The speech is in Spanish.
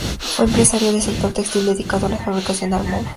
Fue empresario del sector textil, dedicado a la fabricación de alfombras.